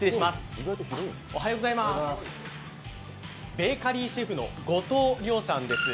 ベーカリーシェフの後藤亮さんです。